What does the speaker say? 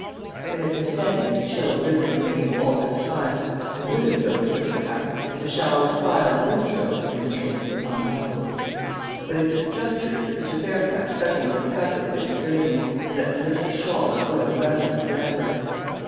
They had been standing in the chill drizzling rain all this time, unconscious, and would have so stood, perhaps, if a shower of fire and brimstone had been descending upon Brussels. But at this juncture Mr. Fairfax suddenly discovered that it was raining, and that Clarissa's shawl was growing rapidly damper.